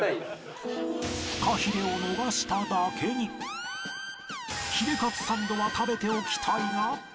フカヒレを逃しただけにヒレカツサンドは食べておきたいが